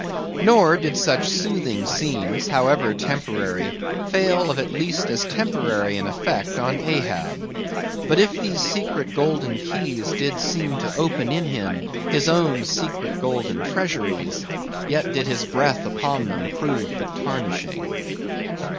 Nor did such soothing scenes, however temporary, fail of at least as temporary an effect on Ahab. But if these secret golden keys did seem to open in him his own secret golden treasuries, yet did his breath upon them prove but tarnishing.